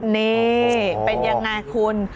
นี่เป็นยังไงคุณ